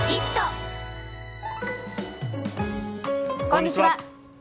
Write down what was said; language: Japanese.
こんにちは。